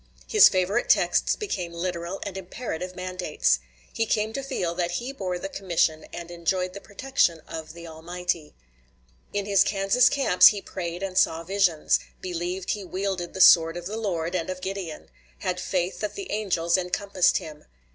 His favorite texts became literal and imperative mandates; he came to feel that he bore the commission and enjoyed the protection of the Almighty. In his Kansas camps he prayed and saw visions; believed he wielded the sword of the Lord and of Gideon; had faith that the angels encompassed him.